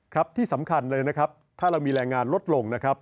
ครับที่สำคัญเลยนะครับถ้าเรามีแรงงานลดลงนะครับ